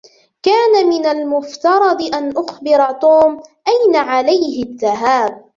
كان من المفترض أن أخبر توم أين عليه الذهاب.